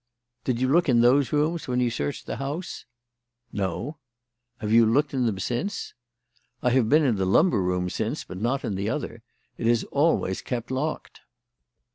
"Did you look in those rooms when you searched the house?" "No." "Have you looked in them since?" "I have been in the lumber room since, but not in the other. It is always kept locked."